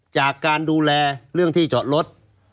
จากการดูแลเรื่องที่จอดรถ